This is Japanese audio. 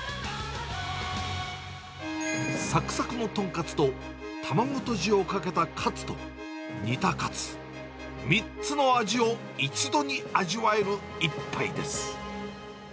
さくさくの豚カツと、卵とじをかけたカツと、煮たカツ、３つの味を一度に味わえる一杯です。